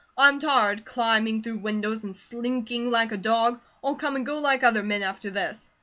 I'm tired climbing through windows and slinking like a dog. I'll come and go like other men after this."